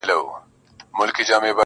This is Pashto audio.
شین سهار وو د مخلوق جوپې راتللې،